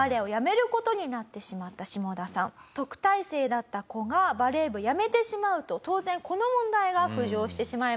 特待生だった子がバレー部をやめてしまうと当然この問題が浮上してしまいます。